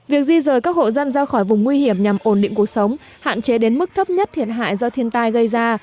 việc di rời các hộ dân ra khỏi vùng nguy hiểm nhằm ổn định cuộc sống hạn chế đến mức thấp nhất thiệt hại do thiên tai gây ra